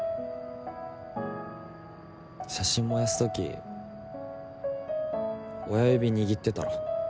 写真燃やす時親指握ってたろ。